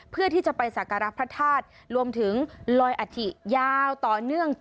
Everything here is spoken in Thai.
เพื่อที่จะไปสักการะพระธาตุรวมถึงลอยอัฐิยาวต่อเนื่อง